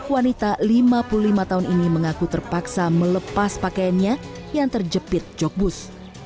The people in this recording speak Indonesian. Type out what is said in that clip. wanita lima puluh lima tahun ini mengaku terpaksa melepas pakaiannya yang terjepit jok bus